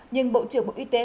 nhưng bộ trưởng bộ y tế